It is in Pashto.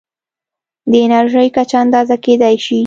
د انرژۍ کچه اندازه کېدای شي.